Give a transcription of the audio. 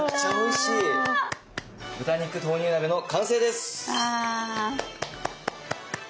「豚肉豆乳鍋」の完成です。